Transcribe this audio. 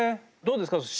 どうですか？